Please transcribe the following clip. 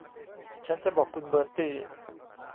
ฉันจะบอกคุณเบอร์ตี้